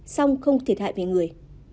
xong không thiệt hại về người